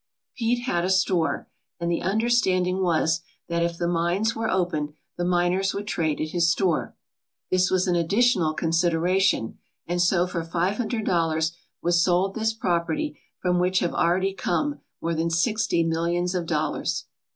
Pete had a store, and the understanding was that if the mines were opened the miners would trade at his store. This was an additional consideration, and so for five hundred dollars was sold this property from which have already come more than sixty millions of dollars.